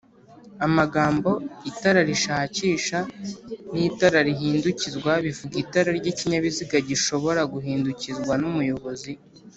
amagambo’’itara rishakisha’’n’ ‘’itara rihindukizwa’’bivuga itara ry’ikinyabiziga gishobora guhindukizwa n’umuyobozi